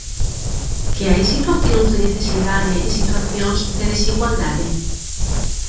¿Que hai situacións de necesidade e situacións de desigualdade?